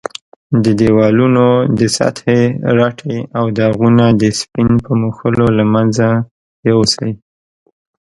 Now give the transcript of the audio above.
د دېوالونو د سطحې رټې او داغونه د سپین په مښلو له منځه یوسئ.